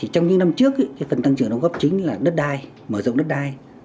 trong những năm trước phần tăng trưởng đóng góp chính là đất đai mở rộng đất đai